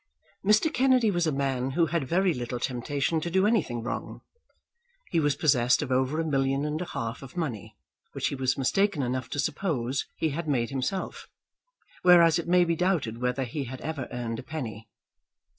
Mr. Kennedy was a man who had very little temptation to do anything wrong. He was possessed of over a million and a half of money, which he was mistaken enough to suppose he had made himself; whereas it may be doubted whether he had ever earned a penny.